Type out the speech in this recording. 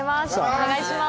お願いします。